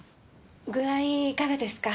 具合いかがですか？